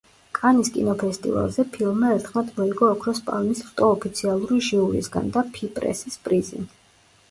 კანის კინოფესტივალზე, ფილმმა ერთხმად მოიგო ოქროს პალმის რტო ოფიციალური ჟიურისგან და ფიპრესის პრიზი.